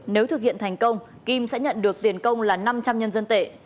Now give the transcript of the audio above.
nếu thực hiện thành công kim sẽ nhận được tiền công là năm trăm linh nhân dân tệ